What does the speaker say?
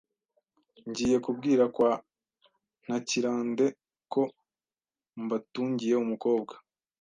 Ngiye kubwira kwa Ntakirande ko mbatungiye umukobwa